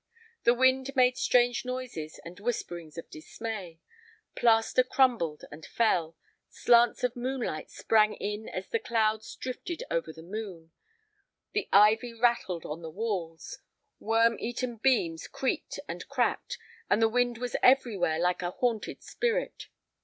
The wind made strange noises and whisperings of dismay; plaster crumbled and fell; slants of moonlight sprang in as the clouds drifted over the moon; the ivy rattled on the walls; worm eaten beams creaked and cracked; and the wind was everywhere like a haunted spirit.